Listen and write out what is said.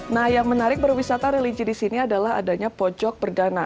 nah yang menarik berwisata religi di sini adalah adanya pojok perdana